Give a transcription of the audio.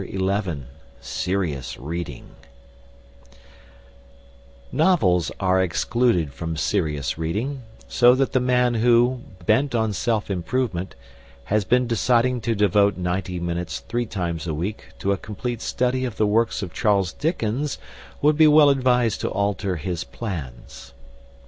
XI SERIOUS READING Novels are excluded from "serious reading," so that the man who, bent on self improvement, has been deciding to devote ninety minutes three times a week to a complete study of the works of Charles Dickens will be well advised to alter his plans.